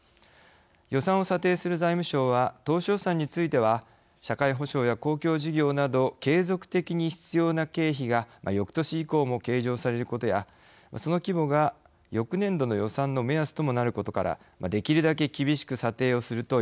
予算を査定する財務省は当初予算については社会保障や公共事業など継続的に必要な経費が翌年以降も計上されることやその規模が翌年度の予算の目安ともなることからできるだけ厳しく査定をするといわれます。